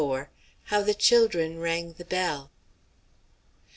HOW THE CHILDREN RANG THE BELL.